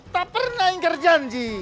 tak pernah ingkar janji